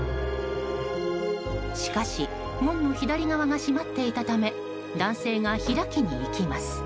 しかし、門の左側が閉まっていたため男性が開きに行きます。